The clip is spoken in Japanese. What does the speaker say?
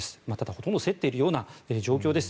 ほとんど競っているような状況です。